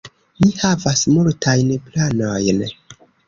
Ni havas multajn planojn.